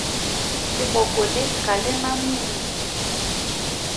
Leboko le ga le na morumo.